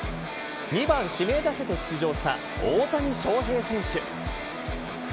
２番指名打者で出場した大谷翔平選手。